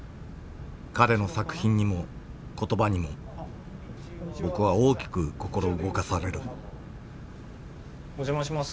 彼の作品にも言葉にも僕は大きく心動かされるお邪魔します。